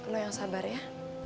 lo yang sabar ya